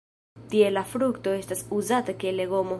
Tie la frukto estas uzata kiel legomo.